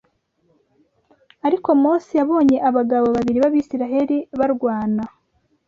Ariko Mose yabonye abagabo babiri b’Abisirayeli barwana